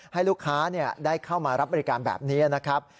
ให้ลูกค้าได้เข้ามารับบริการแบบนี้นะครับ